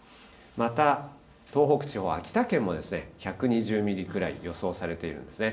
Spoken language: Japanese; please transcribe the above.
また、東北地方は、秋田県も、１２０ミリくらい予想されているんですね。